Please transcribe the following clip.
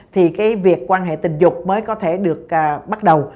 thì cái việc quan hệ tình dục mới có thể được bắt đầu